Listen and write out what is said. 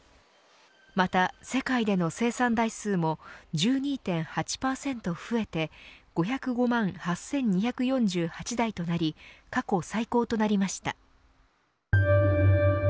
また、世界での生産台数も１２．８％増えて５０５万８２４８台となり過去最高となりました。